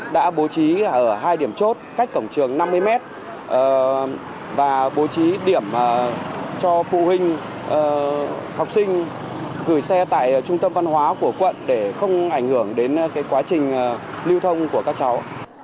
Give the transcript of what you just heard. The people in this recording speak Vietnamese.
đã bố trí ở hai điểm chốt cách cổng trường năm mươi mét và bố trí điểm cho phụ huynh học sinh gửi xe tại trung tâm văn hóa của quận để không ảnh hưởng đến quá trình lưu thông của các cháu